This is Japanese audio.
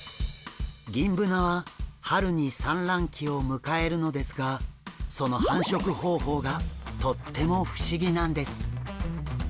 ギンブナは春に産卵期を迎えるのですがその繁殖方法がとっても不思議なんです。